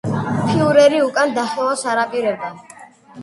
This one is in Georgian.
ფიურერი უკან დახევას არ აპირებდა.